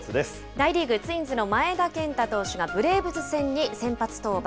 大リーグ・ツインズの前田健太投手がブレーブス戦に先発登板。